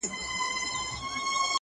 نن خو يې بيا راته يوه پلنډه غمونه راوړل,